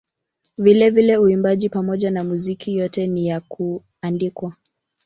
Vilevile uimbaji pamoja na muziki yote ni ya kuandikwa.